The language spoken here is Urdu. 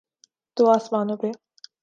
تو آسمانوں پہ۔